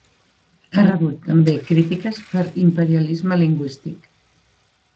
Ha rebut també crítiques per imperialisme lingüístic.